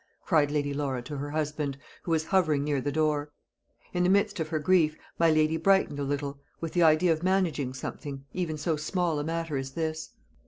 cried Lady Laura to her husband, who was hovering near the door. In the midst of her grief my lady brightened a little; with the idea of managing something, even so small a matter as this.